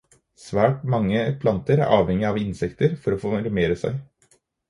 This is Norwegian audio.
Svært mange planter er avhengige av insekter for å formere seg.